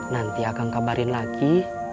nanti akan kabarin lagi